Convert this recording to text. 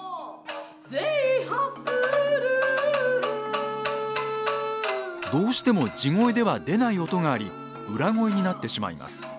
制覇するどうしても地声では出ない音があり裏声になってしまいます。